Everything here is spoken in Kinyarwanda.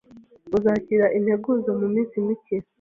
Uzakira integuza muminsi mike.